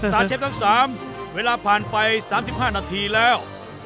ตาร์เชฟทั้ง๓เวลาผ่านไป๓๕นาทีแล้ว